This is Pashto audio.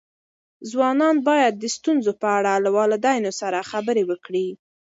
ځوانان باید د ستونزو په اړه له والدینو سره خبرې وکړي.